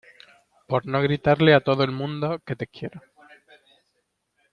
por no gritarle a todo el mundo que te quiero